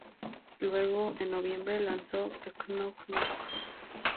Luego, en noviembre, lanzó "Knock Knock".